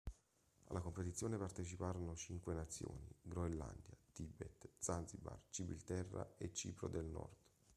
Alla coppa parteciparono cinque nazioni: Groenlandia, Tibet, Zanzibar, Gibilterra, e Cipro del Nord.